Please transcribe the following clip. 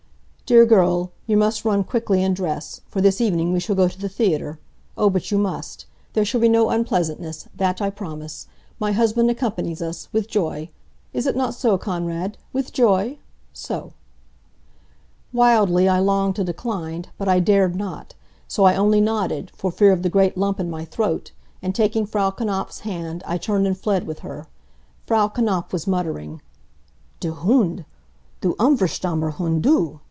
"Dear girl, you must run quickly and dress. For this evening we go to the theater. Oh, but you must. There shall be no unpleasantness, that I promise. My husband accompanies us with joy. Is it not so, Konrad? With joy? So!" Wildly I longed to decline, but I dared not. So I only nodded, for fear of the great lump in my throat, and taking Frau Knapf's hand I turned and fled with her. Frau Knapf was muttering: "Du Hund! Du unverschamter Hund du!"